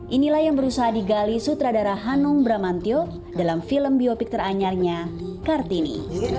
inilah yang berusaha digali sutradara hanum bramantio dalam film biopik teranyarnya kartini